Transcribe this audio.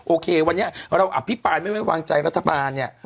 โอเควันนี้เราอภิปรายไม่ไว้วางใจรัฐบาลเนี่ย